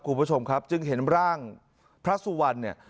คุณผู้ชมครับจึงเห็นร่างพระสุวรรณเนี่ย